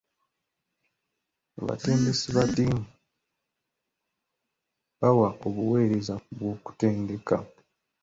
Abatendesi ba ttiimu bawa obuweereza bw'okutendeka.